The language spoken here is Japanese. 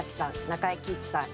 中井貴一さん